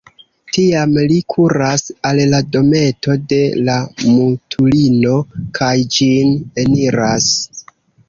Tiam li kuras al la dometo de la mutulino kaj ĝin eniras.